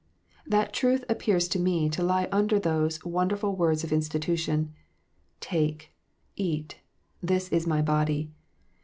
That truth appears to me to lie under those wonderful words of institution, " Take, eat: this is My body."